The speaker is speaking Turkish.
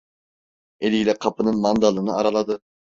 Eliyle kapının mandalını araladı.